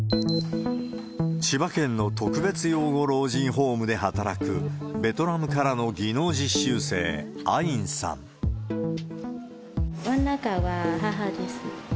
千葉県の特別養護老人ホームで働くベトナムからの技能実習生、真ん中は母です。